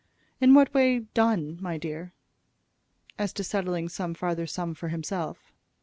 "In what way 'done,' my dear?" "As to settling some farther sum for himself."